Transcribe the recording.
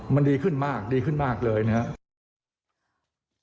มันดีขึ้นมากดีขึ้นมากเลยนะครับ